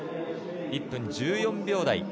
１分１４秒台。